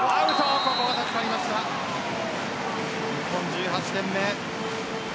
日本１８点目。